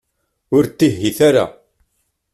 Ur ttihiyet ara.